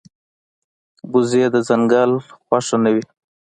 وزې د ځنګل خوښه نه وي